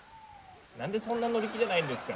なんでそんな乗り気じゃないんですか？